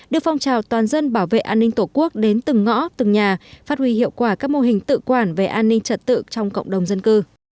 đưa phong trào toàn dân bảo vệ an ninh tổ quốc đến từng ngõ từng nhà phát huy hiệu quả các mô hình tự quản về an ninh trật tự trong cộng đồng dân cư